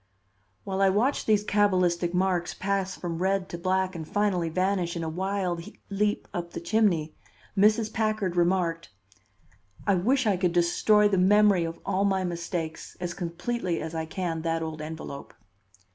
[]; V; [];.>; V; [];<; While I watched these cabalistic marks pass from red to black and finally vanish in a wild leap up the chimney, Mrs. Packard remarked: "I wish I could destroy the memory of all my mistakes as completely as I can that old envelope."